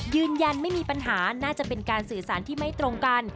ยืนยันไม่มีปัญหาน่าจะเป็นการสื่อสารที่ไม่ตรงกัน